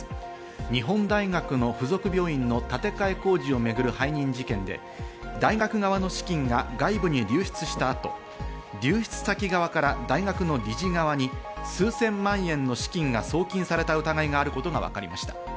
日本大学の附属病院の建て替え工事をめぐる背任事件で、大学側の資金が外部に流出したあと流出先側から大学の理事側に数千万円の資金が送金された疑いがあることがわかりました。